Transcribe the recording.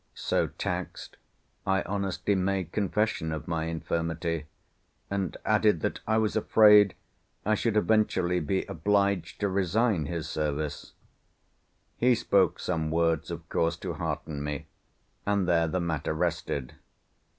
So taxed, I honestly made confession of my infirmity, and added that I was afraid I should eventually be obliged to resign his service. He spoke some words of course to hearten me, and there the matter rested.